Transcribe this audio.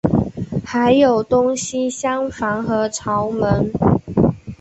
还有东西厢房和朝门。